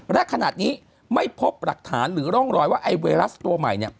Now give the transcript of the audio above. และขนาดนี้ไม่พบหลักฐานหรือร่องรอยว่าไอ้ไวรัสตัวใหม่